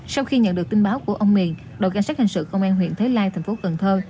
sau khi nhận được tin báo của ông miền đội canh sát hình sự công an huyện thới lai thành phố cần thơ